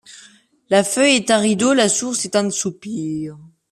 La feuille est un rideau, la source est un soupir ;